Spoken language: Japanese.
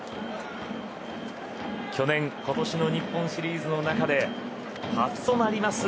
去年今年の日本シリーズの中で初となります